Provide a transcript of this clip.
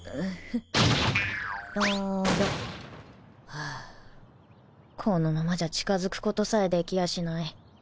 ハァこのままじゃ近づくことさえできやしない。